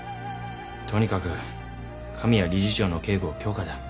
とにかく神谷理事長の警護を強化だ。